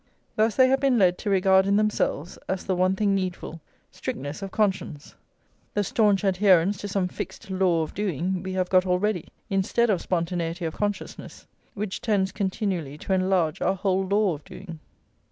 Thus they have been led to regard in themselves, as the one thing needful, strictness of conscience, the staunch adherence to some fixed law of doing we have got already, instead of spontaneity of consciousness, which tends continually to enlarge our whole law of doing.